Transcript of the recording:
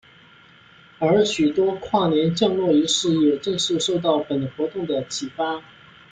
而许多跨年降落仪式也正是受到本活动的启发。